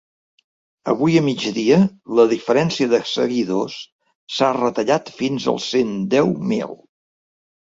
Avui a migdia la diferència de seguidors s’ha retallat fins als cent deu mil.